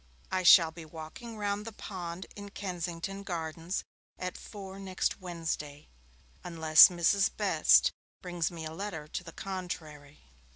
I shall be walking round the pond in Kensington Gardens at four next Wednesday, unless Mrs. Best brings me a letter to the contrary.